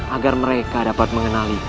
agar mereka dapat mengenaliku